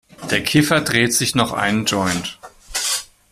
Der Kiffer dreht sich noch einen Joint.